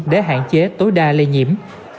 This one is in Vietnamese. để hạn chế tối đa lây nhiễm